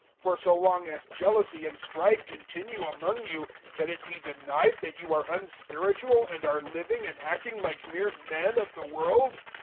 For so long as jealousy and strife continue among you, can it be denied that you are unspiritual and are living and acting like mere men of the world?